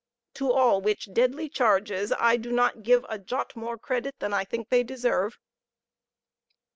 To all which deadly charges I do not give a jot more credit than I think they deserve.